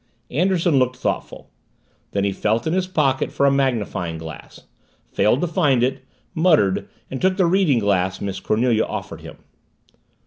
Anderson looked thoughtful. Then he felt in his pocket for a magnifying glass, failed to find it, muttered, and took the reading glass Miss Cornelia offered him.